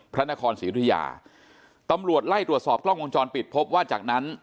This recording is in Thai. พระนครศรีรุยาตำรวจไล่ตรวจสอบกล้องวงจรปิดพบว่าจากนั้น